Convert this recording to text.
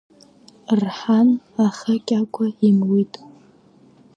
Рҳан, аха Кьагәа имуит.